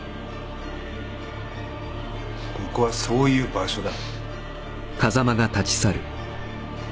ここはそういう場所だ。